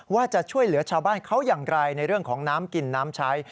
ว่าจะช่วยเหลือชาวบ้านเขาอย่างไรในเรื่องของน้ำกินน้ำใช้